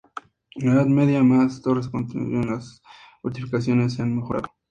En la Edad Media, más torres se construyeron y las fortificaciones se han mejorado.